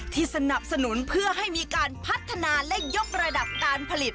สนับสนุนเพื่อให้มีการพัฒนาและยกระดับการผลิต